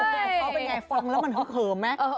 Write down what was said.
พอเป็นไงฟังแล้วมันเหลือเหิมไหม